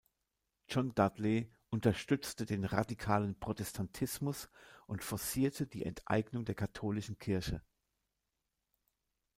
John Dudley unterstützte den radikalen Protestantismus und forcierte die Enteignung der katholischen Kirche.